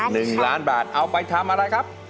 หนึ่งล้านบาทเอาไปทำอะไรครับ